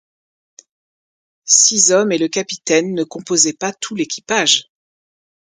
Six hommes et le capitaine ne composaient pas tout l’équipage.